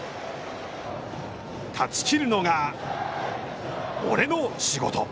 断ち切るのが、俺の仕事。